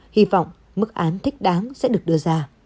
hy vọng mức án thích đáng sẽ được đưa ra